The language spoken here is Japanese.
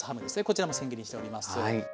こちらもせん切りにしております。